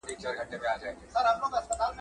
د بازار لپاره مستقيمه عرضه اړينه ده.